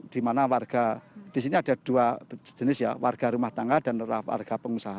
dimana warga disini ada dua jenis ya warga rumah tangga dan warga pengusaha